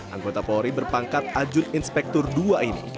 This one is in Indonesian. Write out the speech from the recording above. anggota polri berpangkat ajun inspektur dua ini